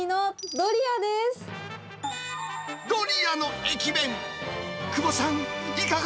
ドリアの駅弁。